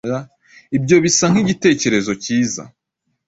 Ibyo bisa nkigitekerezo cyiza.